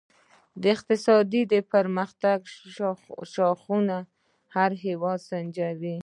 د اقتصادي پرمختیا شاخصونه هر هېواد سنجوي.